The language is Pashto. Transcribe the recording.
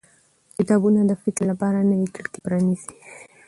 کتابونه د فکر لپاره نوې کړکۍ پرانیزي